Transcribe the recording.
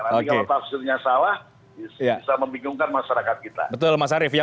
nanti kalau tafsirnya salah bisa membingungkan masyarakat kita